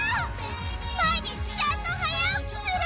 毎日ちゃんと早起きする。